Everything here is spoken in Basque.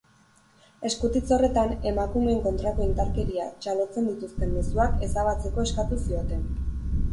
Eskutitz horretan, emakumeen kontrako indarkeria txalotzen dituzten mezuak ezabatzeko eskatu zioten.